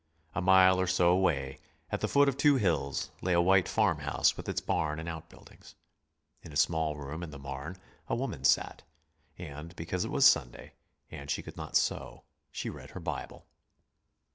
A mile or so away, at the foot of two hills, lay a white farmhouse with its barn and outbuildings. In a small room in the barn a woman sat; and because it was Sunday, and she could not sew, she read her Bible.